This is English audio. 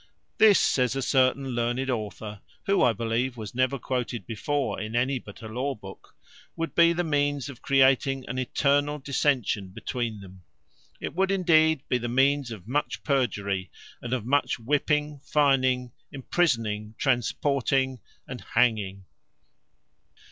This, says a certain learned author, who, I believe, was never quoted before in any but a law book, would be the means of creating an eternal dissension between them. It would, indeed, be the means of much perjury, and of much whipping, fining, imprisoning, transporting, and hanging.